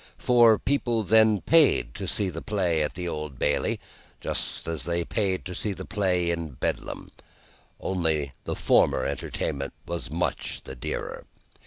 For, people then paid to see the play at the Old Bailey, just as they paid to see the play in Bedlam only the former entertainment was much the dearer.